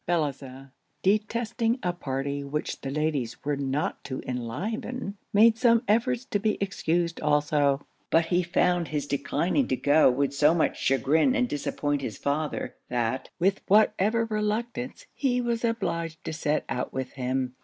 Bellozane, detesting a party which the ladies were not to enliven, made some efforts to be excused also; but he found his declining to go would so much chagrin and disappoint his father, that, with whatever reluctance, he was obliged to set out with him.